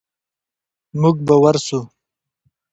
موږ به ورسو.